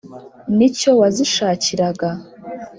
ni cyo wazishakiraga.